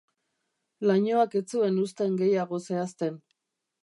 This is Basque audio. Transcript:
Lainoak ez zuen uzten gehiago zehazten.